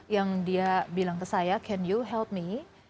yang dia bilang ke saya can you health me